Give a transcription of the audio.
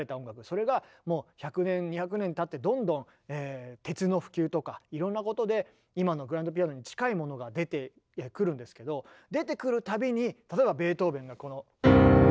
それがもう１００年２００年たってどんどん鉄の普及とかいろんなことで今のグランドピアノに近いものが出てくるんですけど出てくるたびに例えばベートーヴェンがこの。